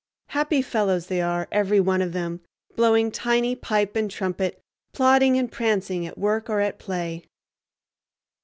Happy fellows they are, every one of them, blowing tiny pipe and trumpet, plodding and prancing, at work or at play.